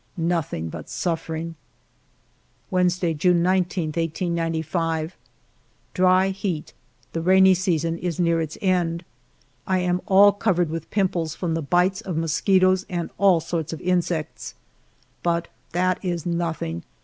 Nothing but suffering. ALFRED DREYFUS 145 Wednesday^ June 19, 1895. Dry heat; the rainy season is near its end. I am all covered with pimples from the bites of mosquitoes and all sorts of insects. But that is nothing